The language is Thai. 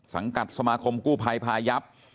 สังกัดสมาคมกู้ภัยภายัพย์